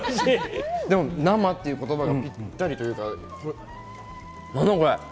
生っていう言葉がぴったりというか、何だこれ？